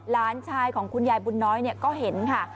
หลานชายของคุณยายบุญน้อยก็เห็นค่ะ